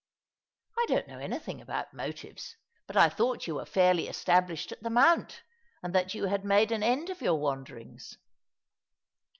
"I don't know anything about motives; but I thought you were fairly established at the Mounts and that you had made an end of your wanderings."